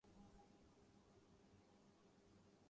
اسلام کے قانون آزمائش کی اساس ہی حریت فکر و عمل ہے۔